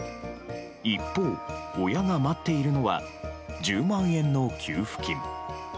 一方、親が待っているのは１０万円の給付金。